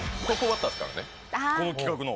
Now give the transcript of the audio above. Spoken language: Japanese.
この企画の？